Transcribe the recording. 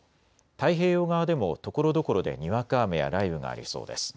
太平洋側でもところどころでにわか雨や雷雨がありそうです。